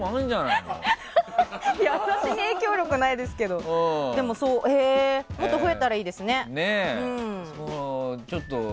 いや、私に影響力ないですけどでももっと増えたらいいですね。